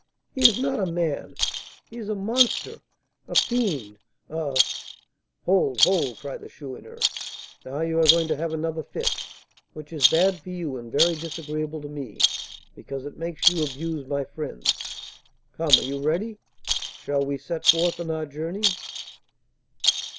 "He is not a man; he is a monster, a fiend, a " "Hold, hold!" cried the Chourineur. "Now you are going to have another fit, which is bad for you and very disagreeable to me, because it makes you abuse my friends. Come, are you ready? Shall we set forth on our journey?"